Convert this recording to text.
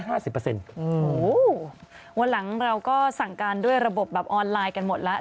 โอ้โหวันหลังเราก็สั่งการด้วยระบบแบบออนไลน์กันหมดแล้ว